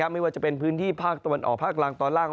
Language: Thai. ไม่ว่าจะเป็นพื้นที่ภาคตะวันออกภาคล่างตอนล่าง